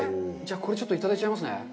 これ、ちょっといただいちゃいますね。